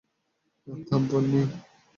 থাম, পোন্নি।